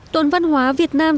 tuần văn hóa việt nam